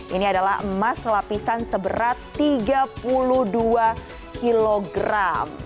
ini adalah emas lapisan seberat tiga puluh dua kg